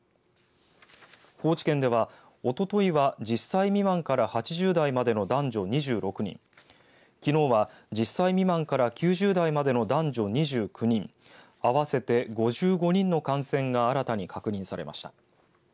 高知県ではおとといは１０歳未満から８０代までの男女２６人きのうは、１０歳未満から９０代までの男女２９人合わせて５５人の感染が新たに確認されました。